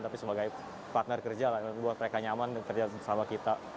tapi sebagai partner kerja buat mereka nyaman dan kerja bersama kita